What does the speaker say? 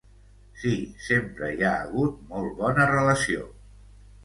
Sí, sempre hi ha hagut molt bona relació.